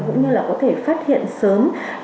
cũng như là có thể phát hiện sớm viêm gan virus b